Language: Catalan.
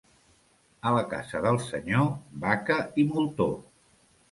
A la casa del senyor, vaca i moltó.